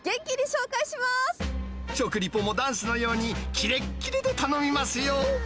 食リポもダンスのようにきれっきれで頼みますよ。